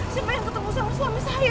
sampai aku ketemu sama suami saya soalnya